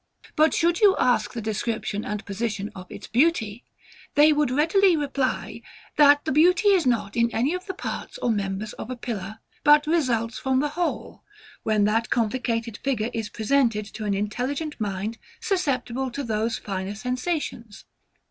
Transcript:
But should you ask the description and position of its beauty, they would readily reply, that the beauty is not in any of the parts or members of a pillar, but results from the whole, when that complicated figure is presented to an intelligent mind, susceptible to those finer sensations.